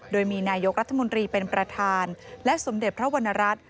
โดยมีนายกรัฐมนตรีเป็นประธานและสมเด็จพระวรรณรัฐ